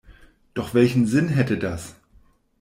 Doch welchen Sinn hätte das?